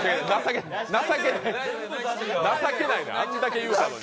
情けないな、あんだけ言うたのに。